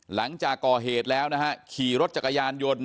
หลังจากก่อเหตุแล้วนะฮะขี่รถจักรยานยนต์